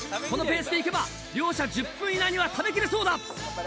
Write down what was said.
このペースでいけば両者１０分以内には食べきれそうだ！